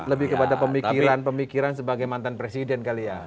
lebih kepada pemikiran sebagai mantan presiden